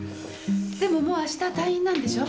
でももう明日退院なんでしょ？